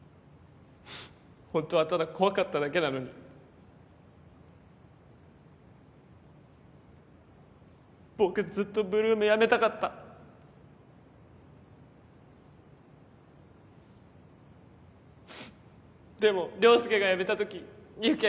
本当はただ怖かっただけなのに僕ずっと８ＬＯＯＭやめたかったでも良介がやめた時有起哉